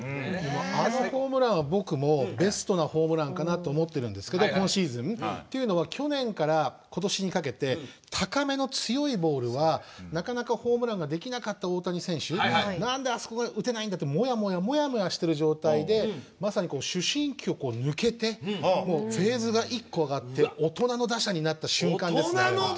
あのホームランは僕もベストなホームランだと思っているんですけど今シーズンの。というのは去年から今年にかけて高めの強いボールはなかなかホームランができなかった大谷選手なんで、あそこ打てないんだともやもやしている状態でまさに思春期を抜けてフェーズを１個抜けて大人の打者になった瞬間ですね。